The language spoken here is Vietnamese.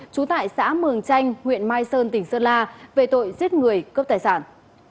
trú tại xã mường chanh huyện mai sơn tỉnh sơn la về tội giết người cướp tài sản